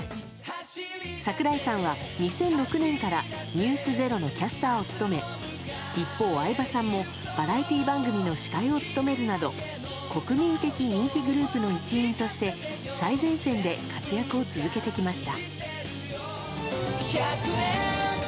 櫻井さんは、２００６年から「ｎｅｗｓｚｅｒｏ」のキャスターを務め一方、相葉さんもバラエティー番組の司会を務めるなど国民的人気グループの一員として最前線で活躍を続けてきました。